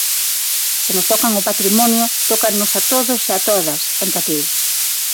"Se nos tocan o patrimonio tócannos a todos e a todas", engadiu.